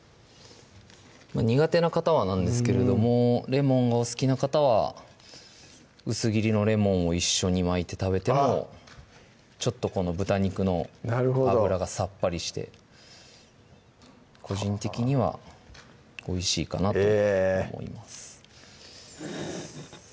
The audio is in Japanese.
苦手な方はなんですけれどもレモンがお好きな方は薄切りのレモンを一緒に巻いて食べてもちょっとこの豚肉の脂がさっぱりして個人的にはおいしいかなと思います